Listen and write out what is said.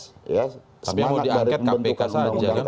semangat dari pembentukan undang undang kpk